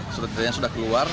surat edarannya sudah keluar